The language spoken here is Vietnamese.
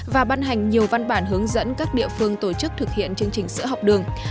và ban hành nhiều văn bản hướng dẫn các địa phương tổ chức thực hiện chương trình sữa học đường